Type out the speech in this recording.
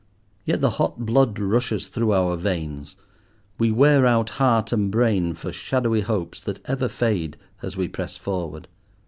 Yet the hot blood rushes through our veins, we wear out heart and brain for shadowy hopes that ever fade as we press forward.